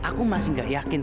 aku masih gak yakin